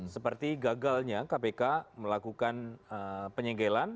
seperti gagalnya kpk melakukan penyegelan